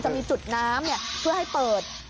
จะมีจุดน้ำเพื่อให้เปิด